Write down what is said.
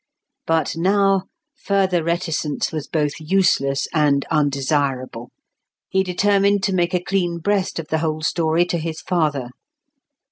But now, further reticence was both useless and undesirable; he determined to make a clean breast of the whole story to his father.